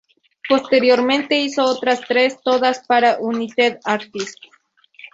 Posteriormente hizo otras tres, todas para United Artists.